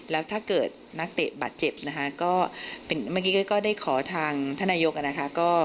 แล้วถ้าเกิดนักเตะบาดเจ็บนะคะก็เป็นเมื่อกี้ก็ได้ขอทางท่านนายกนะคะ